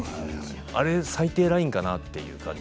あれ最低ラインかなという感じ。